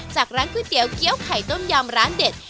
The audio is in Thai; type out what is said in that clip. จากร้านก๋วยเตี๋ยวเกี้ยวไข่ต้มยำร้านเด็ด